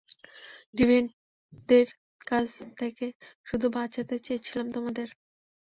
ডিভিয়েন্টদের কাছ থেকে শুধু বাঁচাতে চেয়েছিলাম তোমাদের।